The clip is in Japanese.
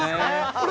これ。